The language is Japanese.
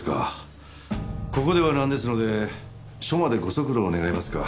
ここではなんですので署までご足労願えますか？